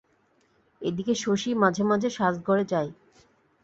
এদিকে শশী মাঝে মাঝে সাজঘরে যায়।